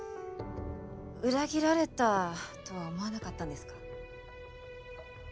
裏切られたとは思わなかったんですか？